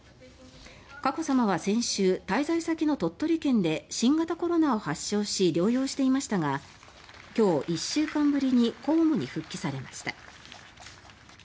佳子さまは先週滞在先の鳥取県で新型コロナを発症し療養していましたが今日、１週間ぶりに公務に復帰されました。